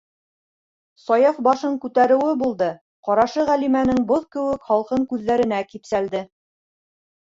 Саяф башын күтәреүе булды - ҡарашы Ғәлимәнең боҙ кеүек һалҡын күҙҙәренә кипсәлде.